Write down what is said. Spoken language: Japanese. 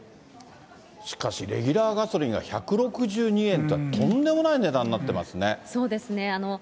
しかしレギュラーガソリンが１６２円とは、とんでもない値段そうですね。